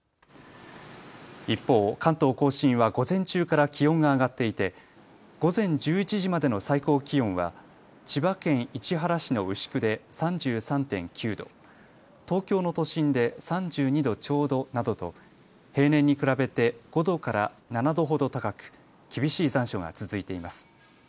一方、関東甲信は午前中から気温が上がっていて午前１１時までの最高気温は千葉県市原市の牛久で３３．９度、東京の都心で３２度ちょうどなどと平年に比べて５度から７度ほど高く厳しい残暑が続いています。